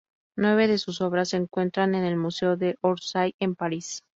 Nueve de sus obras se encuentran en el Museo de Orsay en París.